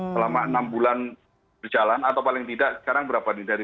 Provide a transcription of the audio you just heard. selama enam bulan berjalan atau paling tidak sekarang berapa